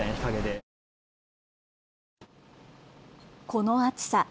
この暑さ。